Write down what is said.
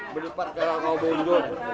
berdepan kalau mau bingung